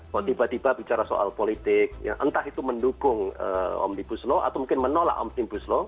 kok tiba tiba bicara soal politik entah itu mendukung omnibus law atau mungkin menolak omnibus law